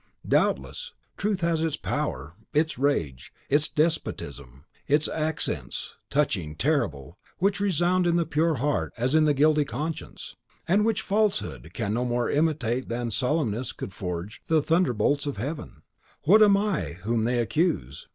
Doubtless, truth has its power, its rage, its despotism, its accents, touching, terrible, which resound in the pure heart as in the guilty conscience; and which Falsehood can no more imitate than Salmoneus could forge the thunderbolts of Heaven. What am I whom they accuse?